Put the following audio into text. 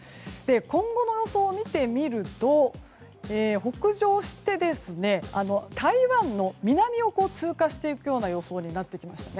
今後の予想を見てみると北上して台湾の南を通過していくような予想になってきました。